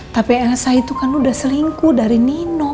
tapi elsa itu kan udah selingkuh dari nino